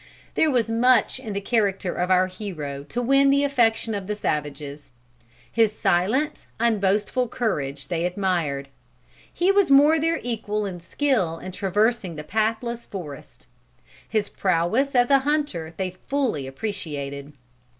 There was much in the character of our hero to win the affection of the savages. His silent, unboastful courage they admired. He was more than their equal in his skill in traversing the pathless forest. His prowess as a hunter they fully appreciated.